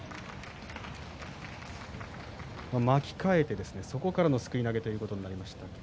巻き替えてそこからのすくい投げということになりました。